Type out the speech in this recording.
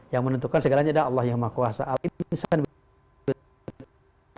yang menentukan segalanya adalah allah yang maha kuasa al iyyah dan al mu'ad